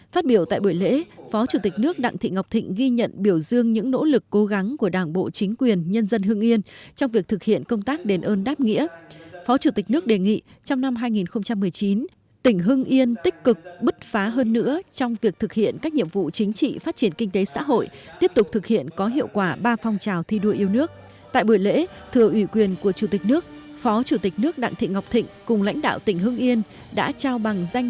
phát biểu tại hội nghị phó thủ tướng bộ trưởng ngoại sao phạm bình minh hoan nghênh những tiến triển tích cực trong hợp tác asean thời gian qua đồng thời đề nghị cần có tiếp nối bảo đảm cho tiến trình xây dựng cộng đồng